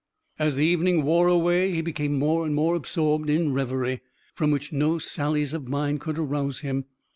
As the evening wore away he became more and more absorbed in revery, from which no sallies of mine could arouse him.